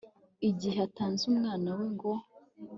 igihe atanze umwana we, ngo